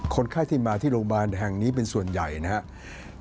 คนไข้ที่มาที่โรงพยาบาลแห่งนี้เป็นส่วนใหญ่นะครับ